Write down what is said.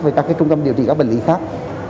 với các trung tâm điều trị các bệnh lý khác